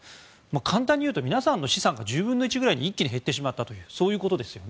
簡単に言うと皆さんの資産が１０分の１ぐらいに減ってしまったということです。